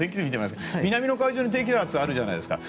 南の海上に低気圧があるじゃないですか。